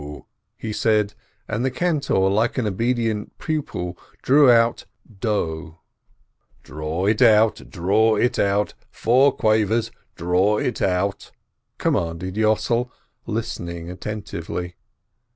he said, and the cantor, like an obedient pupil, drew out do. "Draw it out, draw it out! Four quavers — draw it out !" commanded Yossel, listening attentively.